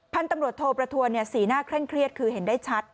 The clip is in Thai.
พันธุ์ตำรวจโทประทวนสีหน้าเคร่งเครียดคือเห็นได้ชัด